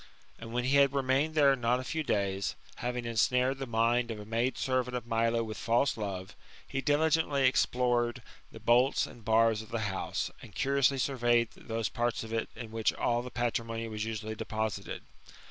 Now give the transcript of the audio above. And when he had remained there not a few days, having insnared the mind of a maid «eKva4itof Milo wilb I06 THE lOTAMORPHOSISi OR fiilse'loye, he diligently explored the bolts and bars of the house, and curiously sunreyed those parts of it in which all the patrimony was usually deposited.